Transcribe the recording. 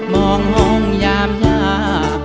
มองห่องยามอยาก